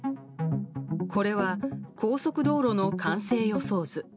これは高速道路の完成予想図。